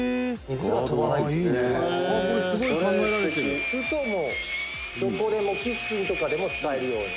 横尾：「するともう、どこでもキッチンとかでも使えるように」